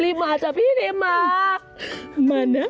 รีบมาจะจัดพี่เริ่มมา